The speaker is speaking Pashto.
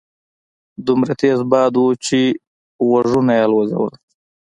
دومره تېز باد وو چې غوږونه يې الوځول.